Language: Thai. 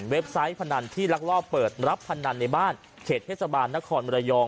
ไซต์พนันที่ลักลอบเปิดรับพนันในบ้านเขตเทศบาลนครมรยอง